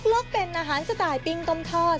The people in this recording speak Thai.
เลือกเป็นอาหารสไตล์ปิ้งต้มทอด